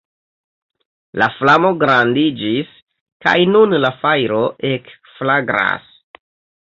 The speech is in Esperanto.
La flamo grandiĝis kaj nun la fajro ekflagras.